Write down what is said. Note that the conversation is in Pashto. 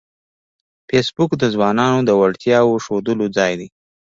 فېسبوک د ځوانانو د وړتیاوو ښودلو ځای دی